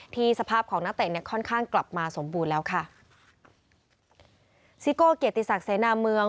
สภาพของนักเตะเนี่ยค่อนข้างกลับมาสมบูรณ์แล้วค่ะซิโก้เกียรติศักดิ์เสนาเมือง